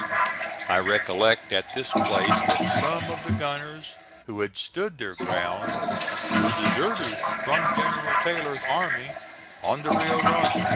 I recollect at this place that some of the gunners who had stood their ground, were deserters from General Taylor's army on the Rio Grande.